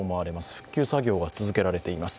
復旧作業が続けられています。